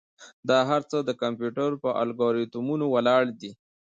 دا هر څه د کمپیوټر پر الگوریتمونو ولاړ دي.